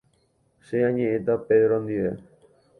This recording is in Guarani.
Che añe'ẽta Pedro ndive.